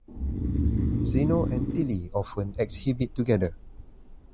Xeno and Tilly often exhibited together.